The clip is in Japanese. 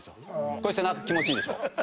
これ背中気持ちいいでしょ。